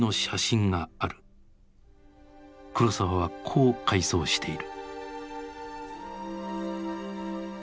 黒澤はこう回想している。